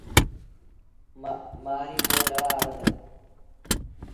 مهآريٚ ميݩ لڙآ ٻڌ۔